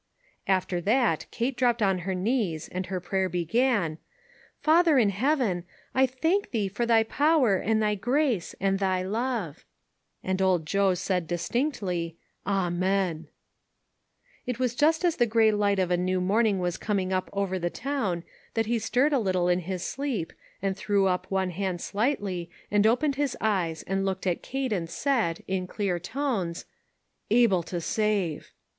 After that, Kate dropped on her knees, and her prayer began :" Father in Heaven, I thank thee for thy power and thy grace and thy love." And old Joe said distinctly :" Amen !" It was just as the gray light o*f a new morning was coming up over the town, that he stirred a little in his sleep, and threw up one hand slightly, and opened his eyes and looked at Kate and said, in clear tones: 434 ONE COMMONPLACE DAY. " Able to save